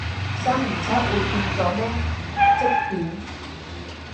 生唔出會變咗咩，積便？